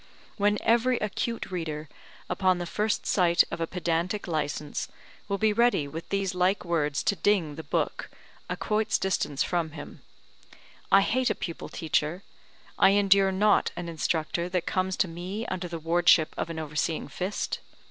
When every acute reader, upon the first sight of a pedantic licence, will be ready with these like words to ding the book a quoit's distance from him: I hate a pupil teacher, I endure not an instructor that comes to me under the wardship of an overseeing fist.